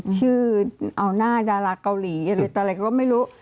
ชื่อเอาหน้าดาราเกาหลีหรืออะไรก็ไม่รู้